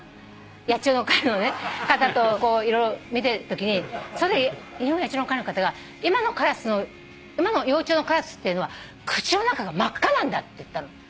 野鳥の会の方と見てるときに野鳥の会の方が「今の幼鳥のカラスっていうのは口の中が真っ赤なんだ」って言ったの。